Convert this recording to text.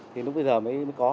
thì lúc bây giờ mới có